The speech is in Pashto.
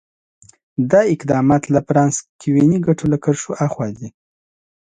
دا اقدامات له فراکسیوني ګټو له کرښو آخوا دي.